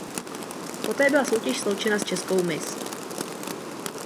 Poté byla soutěž sloučena s Českou Miss.